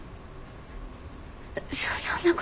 そそんなこと。